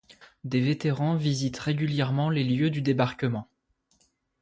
Des vétérans visitent régulièrement les lieux du débarquement.